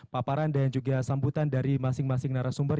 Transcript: paparan dan juga sambutan dari masing masing narasumber